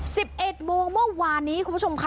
สิบเอ็ดโมงเมื่อวานนี้คุณผู้ชมค่ะ